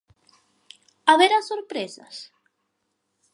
Haberá sorpresas?